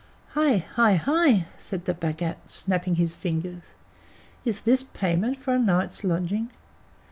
"Hai! Hai! Hai!" said the Bhagat, snapping his fingers, "Is THIS payment for a night's lodging?"